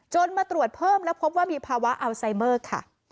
มาตรวจเพิ่มแล้วพบว่ามีภาวะอัลไซเมอร์ค่ะ